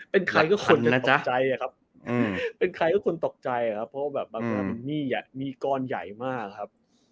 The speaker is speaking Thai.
เป็นใครก็ควรตกใจครับเพราะบางครั้งเป็นหนี้มีก้อนใหญ่มากครับ